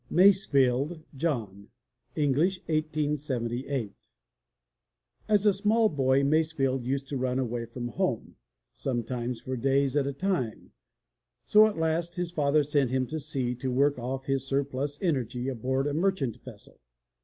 MASEFIELD, JOHN (English 1878 ) S a small boy Masefield used to run away from home, sometimes for days at a time, so at last his father sent him to sea to work off his surplus energy aboard a merchant vessel.